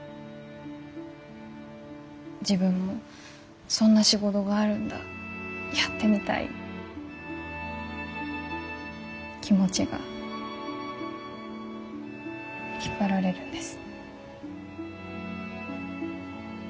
自分もそんな仕事があるんだやってみたいって気持ちが引っ張られるんです。